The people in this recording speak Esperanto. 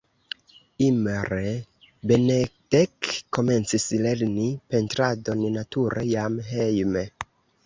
Imre Benedek komencis lerni pentradon nature jam hejme.